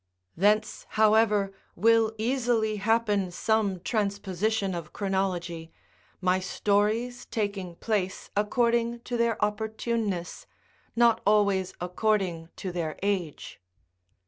Thence, however, will easily happen some transposition of chronology, my stories taking place according to their opportuneness, not always according to their age.